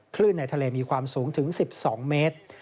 ในทะเลมีความสูงถึง๑๒เมตร